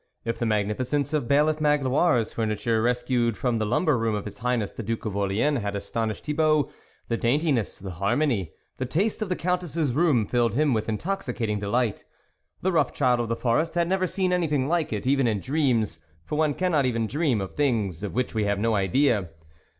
If the magnifi cence of Bailiff Magloire's furniture res cued from the lumber room of his High ness the Duke of Orleans, had astonished Thibault, the daintiness, the harmony, the taste of the Countess's room filled him with intoxicating delight. The rough child of the forest had never seen anything like it, even in dreams ; for one cannot even dream of things of which we have no idea.